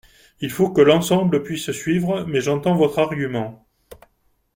Il faut que l’ensemble puisse suivre mais j’entends votre argument.